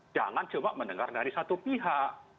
jangan cuma mendengar dari satu pihak